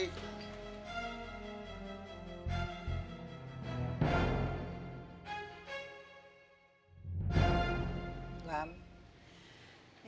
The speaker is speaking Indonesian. selamat malam pak ji